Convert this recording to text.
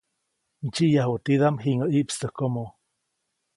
Ndsyiʼyaju tidaʼm jiŋäʼ ʼiʼpstäjkomo.